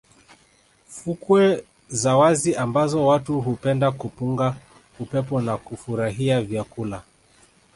fukwe za wazi ambazo watu hupenda kupunga upepo na kufurahia vyakula